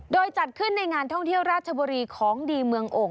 โดยจัดขึ้นในงานท่องเที่ยวราชบุรีของดีเมืองโอ่ง